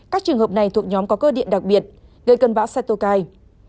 các trường hợp này thuộc nhóm có cơ điện đặc biệt gây cân bão cytokine